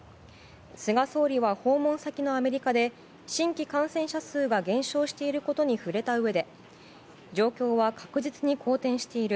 菅総理は訪問先のアメリカで新規感染者数が減少していることに触れたうえで状況は確実に好転している。